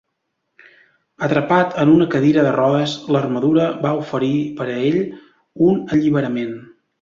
Atrapat en una cadira de rodes, l'armadura va oferir per a ell un alliberament.